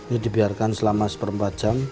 ini dibiarkan selama seperempat jam